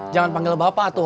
jangan panggil bapak tuh